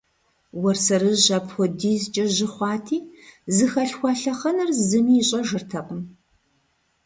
Уэрсэрыжь апхуэдизкӀэ жьы хъуати, зыхалъхуа лъэхъэнэр зыми ищӀэжыртэкъым.